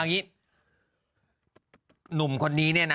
แสดงแหน่ะรู้ดีนะเธอล่ะ